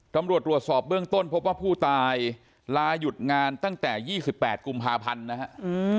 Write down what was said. ตำรวจตรวจสอบเบื้องต้นพบว่าผู้ตายลายุดงานตั้งแต่๒๘กุมภาพันธ์นะครับ